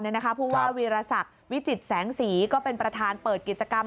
เพราะว่าวีรศักดิ์วิจิตแสงสีก็เป็นประธานเปิดกิจกรรม